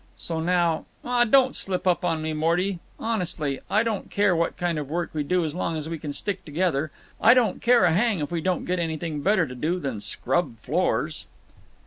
So now—Aw, don't slip up on me, Morty. Honestly, I don't care what kind of work we do as long as we can stick together; I don't care a hang if we don't get anything better to do than scrub floors!"